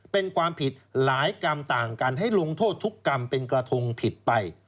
เป็นความผิดหลายกรรมต่างกันให้ลงโทษทุกกรรมเป็นกระทงผิดไป